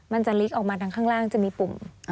มันจะลิกออกมาทางข้างล่างจะมีปุ่ม